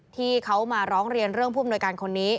ที่เขามาร้องเรียนเรื่องผู้อำนวยการคนนี้